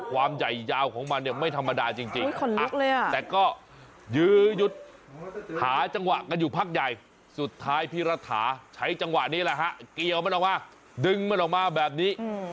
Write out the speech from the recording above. ความใหญ่ยาวของมันไม่ธรรมานาจริงสุดท้ายพี่รัฐาใช้จังหวะนี้นะครับเกลียวมันออกมาดึงออกมาแบบนี้